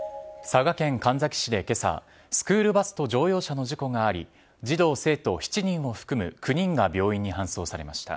佐賀県神埼市でけさ、スクールバスと乗用車の事故があり、児童・生徒７人を含む９人が病院に搬送されました。